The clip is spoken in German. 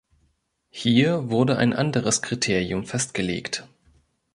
Hier wurde ein anderes Kriterium festgelegt.